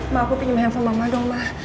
mbak aku pinjem handphone mbak madomah